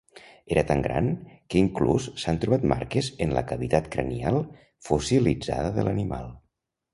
Era tan gran que inclús s'han trobat marques en la cavitat cranial fossilitzada de l'animal.